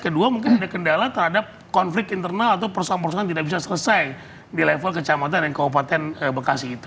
kedua mungkin ada kendala terhadap konflik internal atau perusahaan perusahaan tidak bisa selesai di level kecamatan dan kabupaten bekasi itu